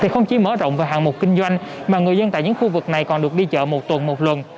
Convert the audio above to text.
không chỉ mở rộng về hàng mục kinh doanh mà người dân tại những khu vực này còn được đi chợ một tuần một lần